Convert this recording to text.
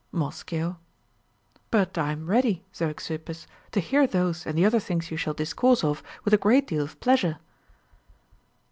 MoscHio. But I am ready, Zeuxippus, to hear those and the other things you shall discourse of, with a great deal of pleasure.